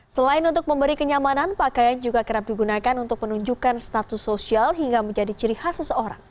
selain untuk memberi kenyamanan pakaian juga kerap digunakan untuk menunjukkan status sosial hingga menjadi ciri khas seseorang